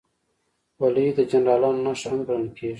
خولۍ د جنرالانو نښه هم ګڼل شوې.